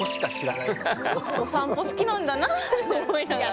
お散歩好きなんだなって思いながら。